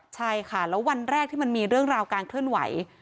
ใช่ค่ะแล้ววันแรกที่มันมีเรื่องราวการเคลื่อนไหว